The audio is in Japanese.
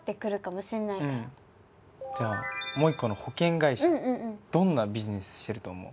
じゃあもう一個の保険会社どんなビジネスしてると思う？